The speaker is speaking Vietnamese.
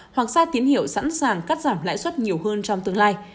hoặc xa tiến hiệu sẵn sàng cắt giảm lãi xuất nhiều hơn trong tương lai